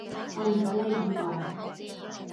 我唔準你噉講